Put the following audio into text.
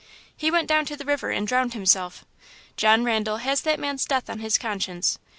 He went down to the river and drowned himself. John Randal has that man's death on his conscience.